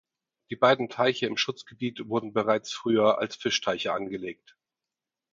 Die beiden Teiche im Schutzgebiet wurden bereits früher als Fischteiche angelegt.